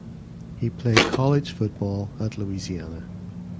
He played college football at Louisiana.